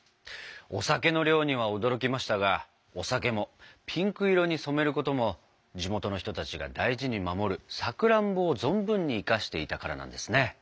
お酒の量には驚きましたがお酒もピンク色に染めることも地元の人たちが大事に守るさくらんぼを存分に生かしていたからなんですね。